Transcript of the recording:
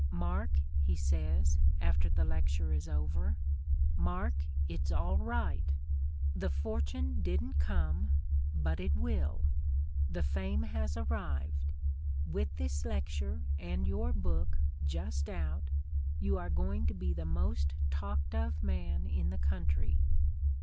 "Mark," he says, after the lecture is over, "Mark, it's all right. The fortune didn't come, but it will. The fame has arrived ; with this lecture and your book just out you are going to be the most talked of man in the country."